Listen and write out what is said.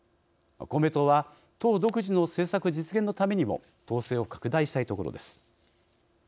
公明党は党独自の政策実現のためにも党勢を拡大したいところです。